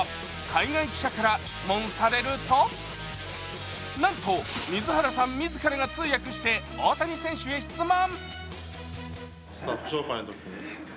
海外記者から質問されるとなんと、水原さん自らが通訳して大谷選手に質問！